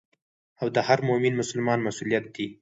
او د هر مؤمن مسلمان مسؤليت دي.